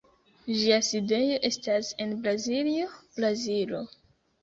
Ĝia sidejo estas en Braziljo, Brazilo.